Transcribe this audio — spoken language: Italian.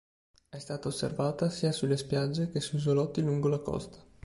È stata osservata sia sulle spiagge che su isolotti lungo la costa.